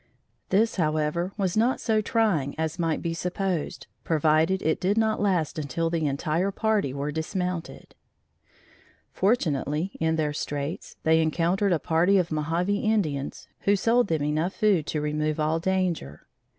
This, however, was not so trying as might be supposed, provided it did not last until the entire party were dismounted. Fortunately, in their straits, they encountered a party of Mohave Indians, who sold them enough food to remove all danger.